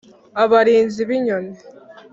-Abarinzi b'inyoni.